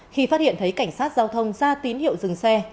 khi phát hiện thấy cảnh sát giao thông ra tín hiệu dừng xe